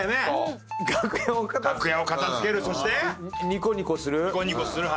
ニコニコする。